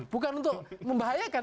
bukan untuk membahayakan